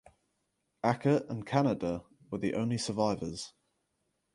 Acker and Canada were the only survivors.